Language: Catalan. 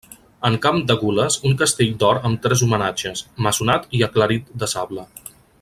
En camp de gules, un castell d'or amb tres homenatges, maçonat i aclarit de sable.